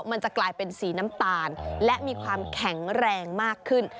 มันจะกลายเป็นสีน้ำตาลและมีความแข็งแรงมากขึ้น